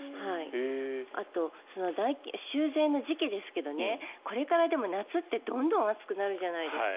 あと、修繕の時期ですけどこれから、でも、夏ってどんどん暑くなるじゃないですか。